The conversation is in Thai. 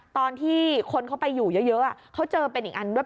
ตอนที่คนเขาไปอยู่เยอะเขาเจอเป็นอีกอันด้วย